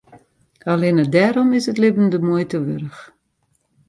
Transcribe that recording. Allinne dêrom is it libben de muoite wurdich.